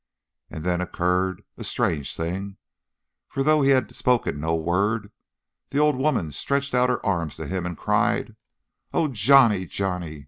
And then occurred a strange thing, for though he had spoken no word, the old woman stretched out her arms to him, and cried, "Oh, Johnny, Johnny!